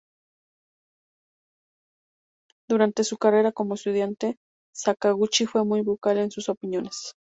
Durante su carrera como estudiante, Sakaguchi fue muy vocal en sus opiniones.